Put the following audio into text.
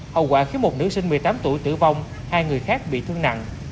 hậu quả khiến một nữ sinh một mươi tám tuổi tử vong hai người khác bị thương nặng